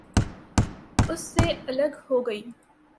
اس سے الگ ہو گئی۔